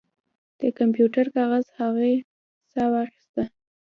د کمپیوټر کاغذ هغې ساه واخیسته